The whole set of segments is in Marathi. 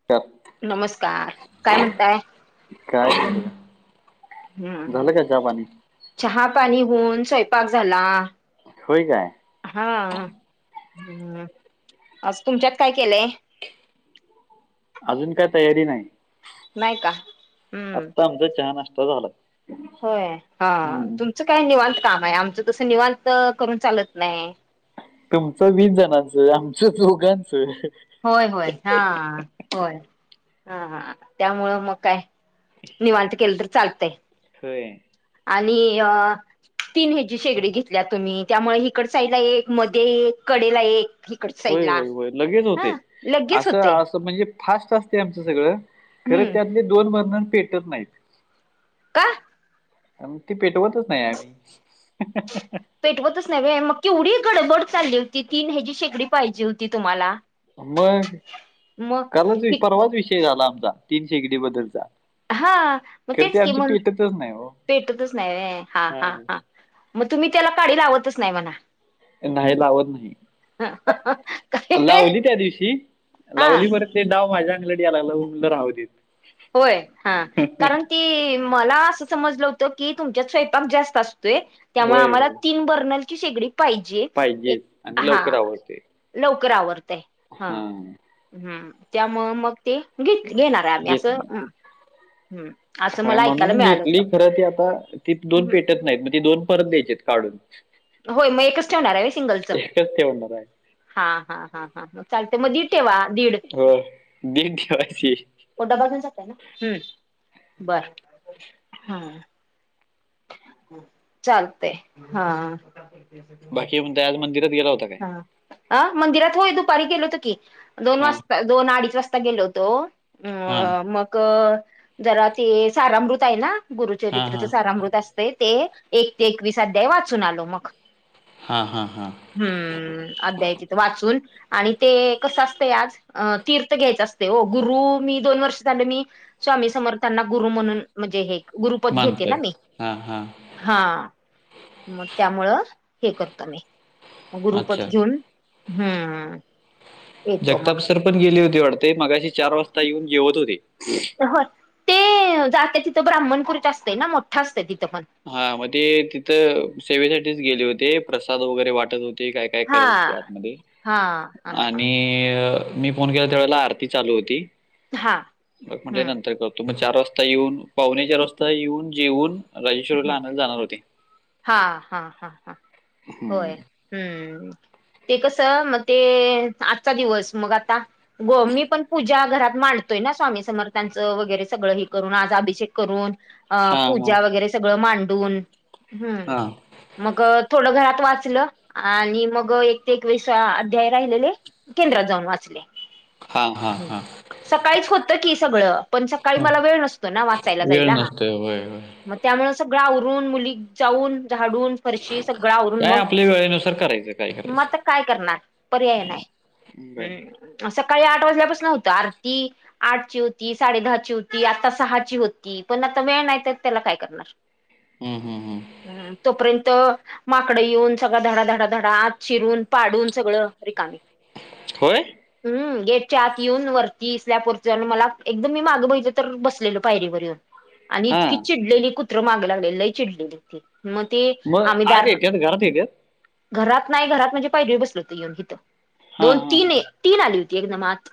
[unintelligible] नमस्कार काय म्हणताय? काय? [inaudible] झालं हम्म का चहा पाणी चहा पाणी होऊन स्वयंपाक झाला. होय काय? हा आज तुमच्यात काय केलंय? अजून काय तयारी नाही. नाही का? हम्म आत्ता आमचा चहा नाष्टा झाला. होय हा हम्म. तुमचं काय निवांत काम आहे, आमचं तसं निवांत करून चालत नाही. तुमचं वीस जणांचं आमच दोघांचं. होय होय हा. होय हा त्यामुळं मग काय निवांत केलं तर चालतंय. होय. आणि अ तीन हेजी शेगडी घेतल्या तुम्ही, त्यामुळे हिकडसाईला एक मध्ये एक कडेला एक. हिकड होय साईडला होय होय लगेच होते हा लगेच असं होते असं म्हणजे फास्ट असते आमच सगळं खरं हम्म त्यातले दोन बलार्णन पेटत नाहीत. का? ते पेटवतच नाही आम्ही. पेटवतच नाही मग केवढी गडबड चालली होती तीन ह्याज शेकडी पाहिजे होती तुम्हाला. मग कालच मग परवाच विषय झाला आमचा तीन शेकडी बद्दलचा. हा मग खरं ते तेच की आमचं म्हन पेटतच नाही हो पेटतच नाही हा हा हा. मग तुम्ही त्याला काडी लावतच नाही म्हणा. नहीं लावत नाही. ह. लावली त्या दिवशी हा लावली मर ते डाव माझ्या अंगलडी यालाला उंगल राहव दे. होय हा कारण. ती मला असं समजलं होतं की तुमच्यात स्वयंपाक जास्त असतोय. त्यामुळे होय आम्हाला होय तीन बर्नलची शेगडी पाहिजे पाहिजे एक आणि लवकर हा. आवडते लवकर आवरतय हा हम् त्यामुळं मग ते घ घेणार आहे आम्ही अस. [inaudible] हम्म. हाय मला ऐकायला म्हणून मिळालं होतं. घेतली खरं ती आता ती दोन हम्म, पेटत नाहीत मग ती दोन परत द्यायचे. काढून. होय मग एकच ठेवणार आहे सिंगलच. एकच ठेवणार आहे. हा हा हा ह ह चालते मग दी ठेवा दीड. बेग ठेवायचीये. डबा घेऊन जाताय ना हम्म बर हं. चालतंय हा. बाकी म्हण त्या आज मंदिरात गेला होता काय. हा अ मदिरात होय दुपारी गेलो होतो की दोन हा दोन अडीच वाजता गेलो होतो. अ हा मग जरा ते सारामृत आहे ना हा गुरुचरित्रच हा सारामृत. असतय ते एक ते एकवीस अध्याय वाचून आलो मग. हा हा हा. हम्म अद्याय तिथं वाचुन. आणि ते कसं असतेय आज तीर्थ घ्यायचं असतय हो गुरु मी दोन वर्ष झाले मी. स्वामी समर्थांना गुरु म्हणून म्हणजे हे गुरुपद घेते ना मानतोय मी. हा हा. हा गग त्यामुळं हे करतो मी. गुरुपद अच्छा घेऊन हम्म. येतो जगताप मग सर पण गेले होते वाटते मगाशी चार वाजता येऊन जेवत होते. हो ते जाते तिथं ब्राह्मणपुरीच्या असतय ना मोठं असतं तिथं पण. हा मग ते तिथं सेवेसाठीच गेले होते प्रसाद वगैरे वाटत होते. ते काय काय हा करत होते आतमध्ये हा हा हा आणि. मी फोन केला त्यावेळेला आरती चालू होती हा मग म्हटले हम्म नंतर करतो. तु मग चार वाजता येऊन पाहुणे चार वाजता येऊन जेऊन. राजेश्वरला हम्म आणायला जाणार होते हा हा हा हा हम्म. होय हम्म ते कसं मग ते आजचा दिवस मग आता. गो मी पण पूजा घरात मांडतो. करतोय ना स्वामी समर्थांच वगैरे सगळं हे करून आज अभिषेक करून अ हां, हां. पूजा वगैरे सगळं मांडून हम्, हां. मग थोडं घरात वाचलं आणि मग एक ते एकवीस अध्याय राहिलेले! केंद्रात जाऊन वाचले हां, हां, हां, सकाळीच होत की सगळं, पण सकाळी हां. मला वेळ नसतो ना वाचायला वेळ जायला हा, होय नसतोय. होय, त्यामुळे सगळ आवरुन मुली! चाऊन झाडून फरशी सगळं आवरून काय मग आपल्या वेळेनुसार करायचं काय मग करायचं. आता काय करणार? पर्याय नाहीय! बाय, सकाळी आठ वाजल्यापासुन होतं आरती? आठची होती साडे दहाची होती आता सहाची होती पण आता वेळ नाही तर त्याला काय! करणार, हम्म हम्म हम्म, हम्म तोपर्यंत माकडं येऊन सगळा धडा धाडा धडा आत शिरून पाडून? सगळं रिकामी, होय? हम्म गेटच्या आत येऊन वरती सल्याप वर जाउन मला एकदम मी मागं बघितल तर बसलेलं पायरीवर येऊन. आणि इतकी हां. चिडलेली कुत्र माग लागलेल लई चिडलेली ती. मग ति मग आम्ही आत दार, येत्यात, घरात येत्यात? घरात नाही घरात म्हणजे पायरीवर बसल होत येऊन इथं हां, दोन हां, तीन आहे. तीन आली होती एकदम आत,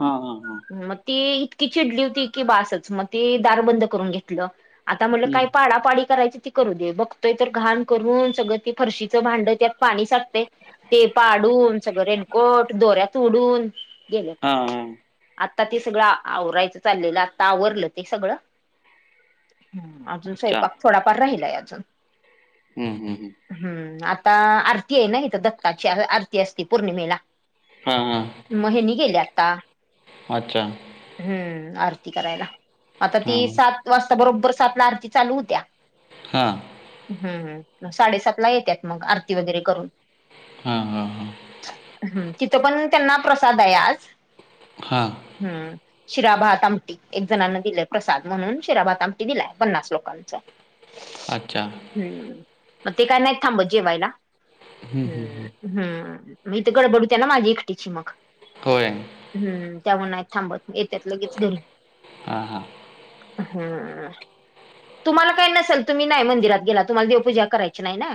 हा हा हा, मग ती इतकी चिडली होती की बासच मग ते दार बंद करून घेतलं. आता म्हणटलं हं. काय पाडापाडी करायची ती करू दे बघतोय तर घाण करून सगळं ती फरशीचं भाडं त्यात? पाणी साटतय ते पाडून सगळं रेनकोट दोऱ्यात तोडुन! गेलं हा हा आता ते सगळं आवरायचं चाललेलं आता आवरलं ते सगळं, ह अजून अच्छा स्वयंपाक थोडाफार राहिलाय अजून. हम्म हम् हम्, हम्म आता आरती आहे ना इथ दत्ताची आरती असती पौर्णिमेला! हा हा म ह्यांनी गेली आता. अच्छा हम्म आरती करायला आता हा ती सात वाजता बरोबर सात ला आरती चालू होत्या. हा, हम् साडेसात ला येतात मग आरती वगैरे करून! हा हा हां, ह् तिथं पण त्यांना प्रसाद आहे आज. हा, हम् शिरा भात आमटी एक जणना दिले प्रसाद म्हणून शिरा भात. आमटी दिलाय पन्नास लोकांचा. अच्छा, हम्म म ते काय थांबत जेवायला हम्म, हम्म म इथ गडबडते होती ना माझी एकटीची मग होय हम्म. त्यामुळं नाही थांबत येत्यात लगेच घरी. हा हा, हम, तुम्हाला काही नसेल तुम्ही नाही मंदिरात गेला तुम्हाला देवपूजा करायची नाही ना.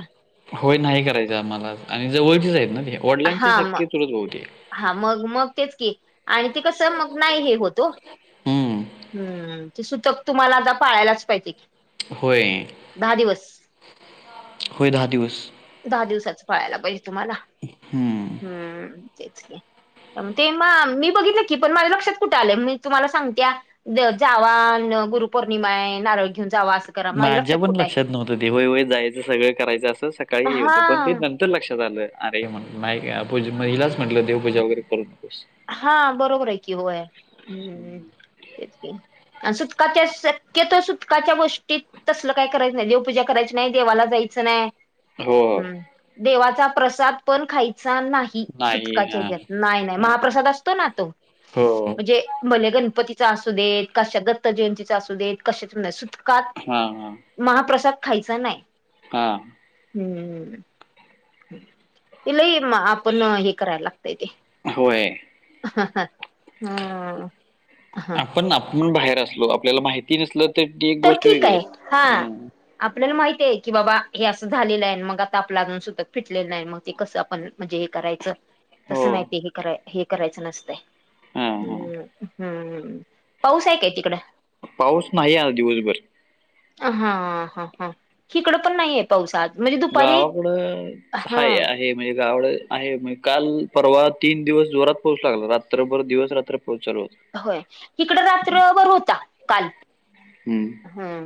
होय नाही करायचं आम्हाला आणि जवळचेच आहेत ना ते वडिलांशी हा मग सख्खे चुलत भाऊ ते. हा मग मग तेच की आणि ते कसं मग नाही हे होतो. हम्म हम्म ते सुतक तुम्हाला आता पाळायलाच पाहिजे की, होय, दहा दिवस. होय दहा दिवस. दहा दिवसाच पळायला पाहिजे तुम्हाला हम्म हम्म तेच ग ते म मी बघितलं की पण माझ्या लक्षात कुठे आलं मी तुम्हाला सांगते्या. जावा गुरुपौर्णिमा आहे, नारळ घेऊन जावा असं. माझ्या पण लक्षात नव्हतं ते वय होय जायचं सगळं करायचं असं सकाळी हे होतं पण ते, हा तर लक्षात आलं अरे म्ह नाही पूजा हलाच म्हटलं देवपूजा वगैरे करू नकोस. हा बरोबर आहे की होय, हम्म तेच की सुटकाच्या शक्यतो सुटकाच्या गोष्टीत तसलं काय करायचं नाही, देवपूजा करायची नाही देवाला जायचं नाही. हो हम्म देवाचा प्रसाद पण खायचा नाही. कि नाही हा सुटकाचेत नाही नाही हा. महाप्रसाद असतो ना तो हो म्हणजे, भले गणपतीचा असू देत कशा दत्त जयंतीचा असू देत कशाचा नाय सुतका हा हा महाप्रसाद खायचा नाही हा हा हम्म ती लय आपण हे करायला लागतंय. होय ह ह हम्म [unintelligible] पण आपण बाहेर असलो आपल्याला माहिती नसल तर त एक गोष्ट ठीक वेगळी आहे हा असते. आपल्याला माहतीय की बाबा हे असं झालेलं आहे मग आता आपला अून सुतत फिटलेलं आहे मग ते कसं आपण, म्हणजे हे करायचं हो. तसं नाही ती हे कराय हे करायचं नसतंय हां, हां. हम्म हम्म हम्म पाऊस आहे काय तिकड? पाऊस नाही आज दिवसभर. हा हा हा हीकडं पण नाही आहे. पाऊस आज म्हणजे दुपारी गावाकड हा हाय, आहे म्हणजे गावाकड आहे मग काल परवा तीन दिवस जोरात पाऊस लागला रात्रभर दिवस रात्र पाऊस चालू होत. होय तीकड रात्रभर होता काल. हम्म हम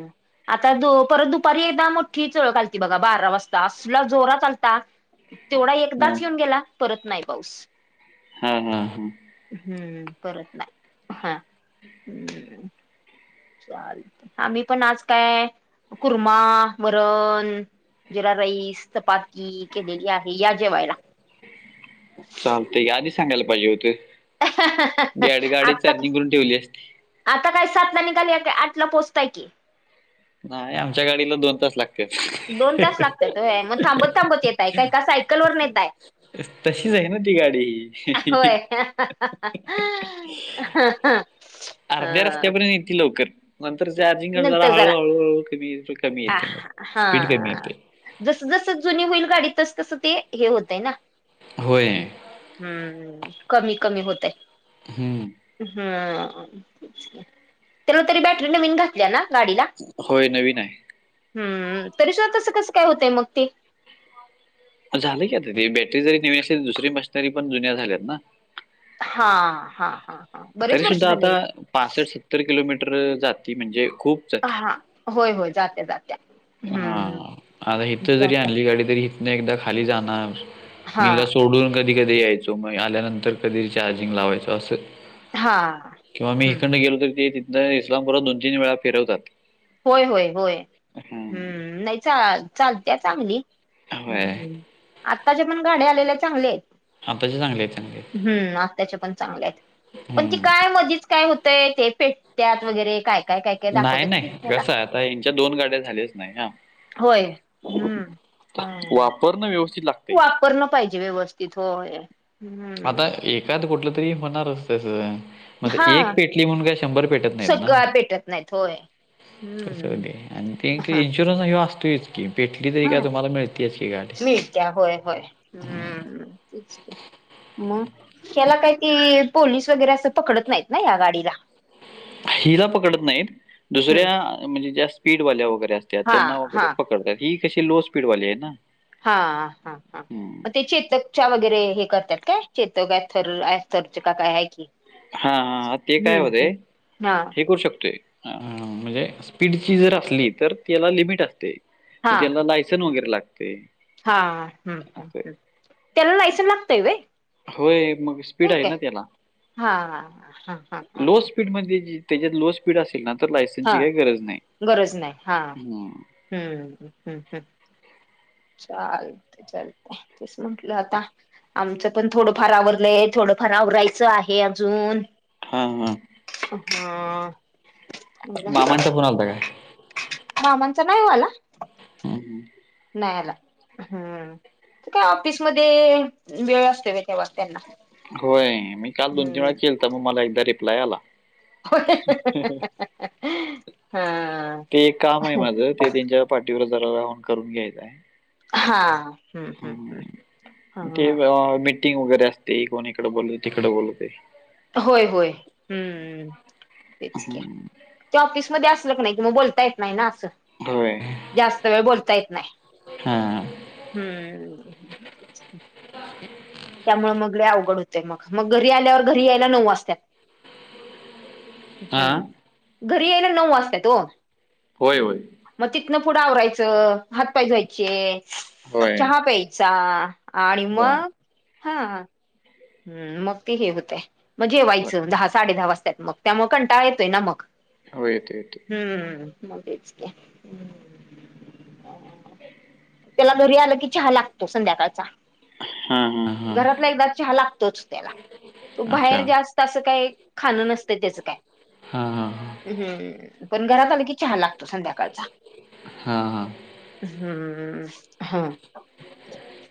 आता द परत दुपारी एकदा मोठी झुळूक आलती बघा बारा वाजता असला जोरात आलता. तेवढा हां. एकदाच येऊन गेला परत नाही पाऊस. हा हा हम्म परत नाय हा हम्म चालतय, आम्ही पण आज काय कुर्मा वरण जीरा राईस, चपाती केलेली आहे या जेवायला. चालत की, आधी सांगायला पाहिजे होत. गाडी, गाडी आता चार्जिंग करून ठेवली असती. आता काय सातला निघाले की आठला पोहोचताय की. नाही आमच्या गाडीला दोन तास लाग दोन तास लागतात व्हय म थांबत-थांबत येताय काय का सायकल वरनं येताय? तशीच आहे ना ती गाडी. होय. अर्ध्या हा रस्त्यापर्यंत येती लवकर नंतर चार्जिंग कमी झालं की जरा हळूहळूहळू कमी अ येते मग हा स्पीड कमी येते जसं जसं जुनी होईल गाडी तसं तसं ते हे होतय ना. होय. हम्म कमी कमी होतय. हम्म. हां त्याला तरी बॅटरी नवीन घातल्या ना गाडीला? होय नवीन आहे. हम्म तरी स्वतः तसं कसं काय होतंय मग ती? झालंय की आता ती बॅटरी जरी नवी असली तर दुसरी मशनरी पण जुन्या झाल्यात ना. हा हा हा. हा बरेच तरी वर्ष सुद्धा आता झाले पासष्ट सत्तर किलोमीटर जाती म्हणजे खूप जाते हा होय होय जात्या जात्या. हम्म आता इथं जरी जात्या आणली गाडी तरी इथनं एकदा खाली जाणार हा मी हीला सोडून कधी-कधी यायचो म आल्यानंतर कधी चार्जिंग लावायचो असं. हा किंवा मी हम्म इकडं गेलो तरी ते तिथनं इस्लामपुरात दोन तीन वेळा फिरवतात. होय होय होय हम्म नाही चा चालत्या चांगली. होय हम्म हम्म आत्ताच्या पण गाड्या आलेल्या चांगले. हा आताच्या चांगले चांगले. हम्म आताच्या पण चांगल्या आहेत पण ती हम्म काय मधीच काय होतय ते पेट त्यात वगैरे काय काय काय काय नाही दाखवत्यात. नाही कसं आता यांच्या दोन गाड्या झाल्याच ना ह्या. होय हम्म हा. वापरणं व्यवस्थित लागते. वापरणं पाहिजे व्यवस्थित होय. हम्म आता एकाद कुठलं तरी होणारच त्यासं. म ते हा एक पेटली म्हणून काय शंभर पेटत नाहीत ना. सगळ्या पेटत नाहीत होय कसं हम्म होते आणि हा ते [unintelligible] [unintelligible] असतोयच की पेटली तरी काय तुम्हाला मिळतेच की गाडी. त्या होय होय हम्म तेच की. म त्याला काही ती पोलीस वगैरे असं पकडत नाहीत ना या गाडीला. हिला पकडत नाहीत दुसऱ्या म्हणजे ज्या स्पीडवाल्या वगैरे असत्या हा त्यांना वगैरे हा पकडत्या. ही कशी लो स्पीड वाली आहे ना. हा हा हा म ते चेतक च्या वगैरे हे करत्यात काय चेतक काय थर [unintelligible] का काय आहे की. हा हा ते काय हम्म होऊ हम्म हा फेकु शकतोय. हा म्हणजे स्पीडची जर असली तर त्याला लिमिट असते. म हा त्यांला लायसन वगैरे लागते. हा हम्म हम्म असं. हम्म तेला लायसेन लागतय वय. होय मग स्पीड आहे ना त्याला हा हा हा हा लो स्पीड मध्ये जे त्याच्यात लो स्पीड असेल ना तर हा लायसनची काही गरज नाही हम्म. हूं.. हूं. हू.. ह. चालतंय, चालतंय तेच म्हंटलं आता, आमचं पण थोडंफार आवरलंय, थोडंफार आवरायचं आहे अजून. हा, हा. हा... मला मामांचा फोन आलता काय? मामांचा नाही वो आला. [unintelligible] नाय आला हं.. ते काय ऑफिसमध्ये वेळ असतोय व्हयं तेव्हा त्यांना. व्हय मी काल दोन -तीन वेळा हम्म केलता, मग मला एकदा रिप्लाय आला. होय [unintelligible] हा ते एक काम आहे माझं, ते त्यांच्या पाठीवर जरा राहून करून घ्यायचायं. हा, हुं. हुं. हु. ह. ह. आओ मी टिंग वगैरे असते, कोण इकडं बोलव -तिकडं बोलवतयं. होय, होय, हूं... तेच की, ते ऑफिसमध्ये असलं की नाय कि मग बोलता येत नाही ना असं. होय. जास्त वेळ बोलता येत नाही. हां. हूं... त्यामुळं मग लई अवघड हुतंय मग, मग घरी आल्यावर घरी यायला नऊ वाजत्यात हुं.. हां. घरी यायला नऊ वाजत्यात वो. होय, होय. मग तिथनं पुढं आवरायचं, हात- पाय धुवायचे, होय. चहा प्यायचा. आणि होय. मग हां... ह मग ते हे हुतय, मग होय. जेवायचं दहा -साडे दहा वाजत्यात मग त्यामुळं कंटाळा येतोय ना मग. हो येतोय, येतोय. हुं.. मग तेच की. हूं.... त्याला घरी आलं की चहा लागतो संध्याकाळचा. हां, हां, हा.... घरातला एकदा चहा लागतोच त्याला तो बाहेर जास्त असं काही खाणं नसतंय त्याचं काय. हा, हा, हा. हं.. पण घरात आलं की चहा लागतो संध्याकाळचा. हां, हां. हूं... हा.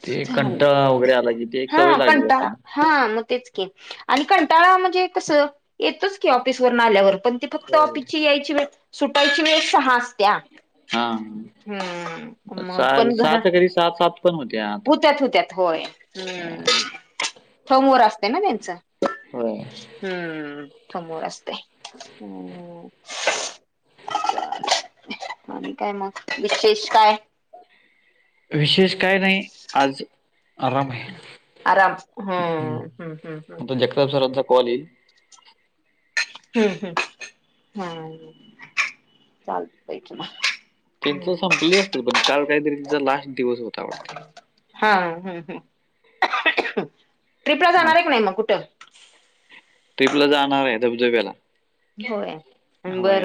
ते एक चाल कंटाळा वगैरे आला कि, ते एक सवय हा लागलेली असते कंटाळा ना. हा मग तेच की आणि कंटाळा म्हणजे कसं येतोच की, ऑफिस वर आल्यावर पण ते फक्त होय, होय. ऑफिसची यायची वेळ, सुटायची वेळस सहा असते. त्या हां. हं.. मग पण घरा तरी सहा- सात पण हुत्यात. हुत्यात- हुत्यात होय. हं.. थम वर असतयं ना त्यांचं. होय. हूं... थमवर असतंय. हं... आणि काय मग विशेष काय? विशेष काय नाही आज. आराम आहे. आराम हं, हं. हं.. ह... त्या सरांचा कॉल ईल. हम्म हम् हम् चालतंय कि मग त्यांच संपले असतील पण काल काहीतरी त्यांचा लास्ट दिवस होता वाटतं हा हम हं ट्रिपला जाणार आहे का कुणी मग कुठं ट्रिप ला जाणार आहे धबधब्याला होय आणि होय. बरं